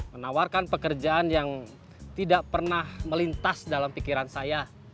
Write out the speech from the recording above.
menawarkan pekerjaan yang tidak pernah melintas dalam pikiran saya